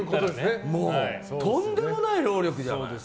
とんでもない労力じゃない。